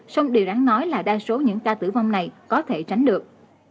nhưng đều ráng nói là đa số những ca tử vong này có thể tránh được